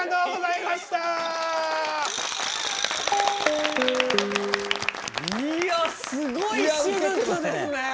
いやすごい手術ですね。